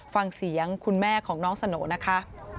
ฟังเสียงคุณแม่ของน้องสโหน่นะคะ